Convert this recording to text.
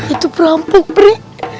itu perampok pri